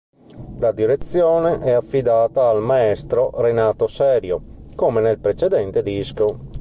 La direzione è affidata al maestro Renato Serio, come nel precedente disco.